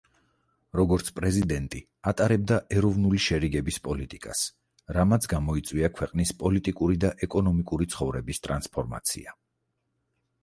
როგორც პრეზიდენტი ატარებდა ეროვნული შერიგების პოლიტიკას, რამაც გამოიწვია ქვეყნის პოლიტიკური და ეკონომიკური ცხოვრების ტრანსფორმაცია.